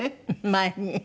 前に？